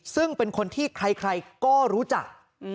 ซึ่งเป็นคนที่ใครก็รู้จัก